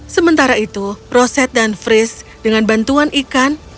sementara itu roset dan fris dengan bantuan ikan